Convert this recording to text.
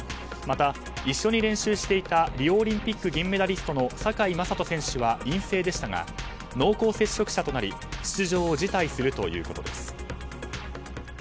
また一緒に練習していたリオオリンピック銀メダリストの坂井聖人選手は陰性でしたが濃厚接触者となり出場を辞退するということです。